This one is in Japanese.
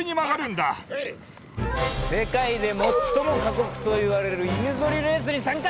世界で最も過酷といわれる犬ぞりレースに参加だ！